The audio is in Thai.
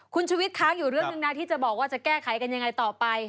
คุณชุวิตค้างอยู่เรื่องหนึ่งนะที่จะบอกว่าจะแก้ไขกันยังไงต่อไป